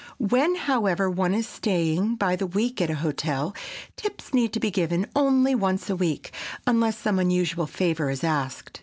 When, however, one is staying by the week at a hotel, "tips" need be given only once a week,—unless some unusual favor is asked.